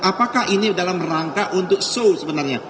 apakah ini dalam rangka untuk show sebenarnya